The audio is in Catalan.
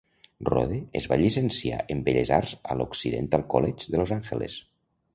Rohde es va llicenciar en Belles Arts a l'Occidental College de Los Angeles.